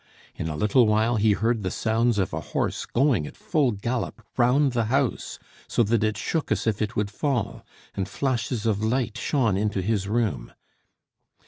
In a little while he heard the sounds of a horse going at full gallop round the house, so that it shook as if it would fall; and flashes of light shone into his room.